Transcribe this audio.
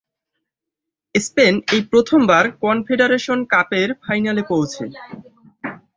Spain এই প্রথম বার কনফেডারেশন কাপের ফাইনালে পৌঁছে।